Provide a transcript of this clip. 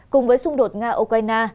cùng với xung đột nga ukraine